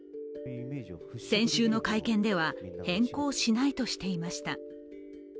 先週の会見では、変更しないとしていました。